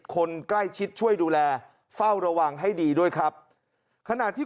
คนใกล้ชิดช่วยดูแลเฝ้าระวังให้ดีด้วยครับขณะที่